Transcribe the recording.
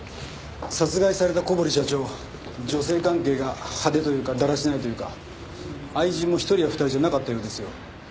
殺害された小堀社長女性関係が派手というかだらしないというか愛人も１人や２人じゃなかったようですよ。